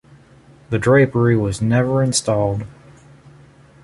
The drapery was never installed.